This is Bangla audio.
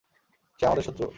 সে আমাদের শত্রু।